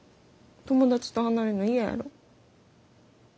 友達と離れんの嫌やろ。